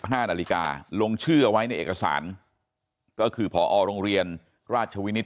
ห้านาฬิกาลงชื่อเอาไว้ในเอกสารก็คือพอโรงเรียนราชวินิต